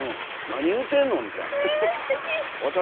「何言うてんの」みたいな。